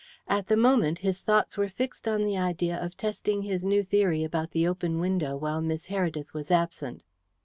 At the moment his thoughts were fixed on the idea of testing his new theory about the open window while Miss Heredith was absent.